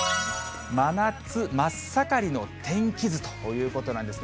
真夏真っ盛りの天気図ということなんですね。